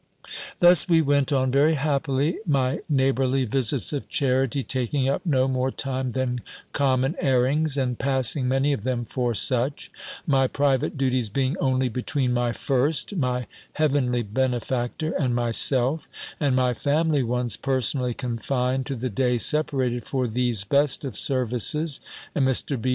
Thus we went on very happily, my neighbourly visits of charity, taking up no more time than common airings, and passing many of them for such; my private duties being only between my FIRST, my HEAVENLY BENEFACTOR, and myself, and my family ones personally confined to the day separated for these best of services, and Mr. B.